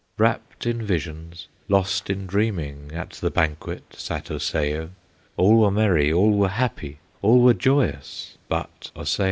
"Wrapt in visions, lost in dreaming, At the banquet sat Osseo; All were merry, all were happy, All were joyous but Osseo.